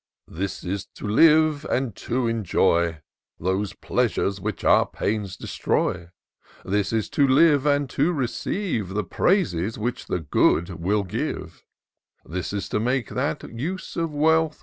" This is to live, and to enjoy Those pleasures which our pains destroy: IN SEARCH OF THE PICTURESQUE, 195 This is to Kve, and to receive The praises which the good will give : This is to make that use of wealth.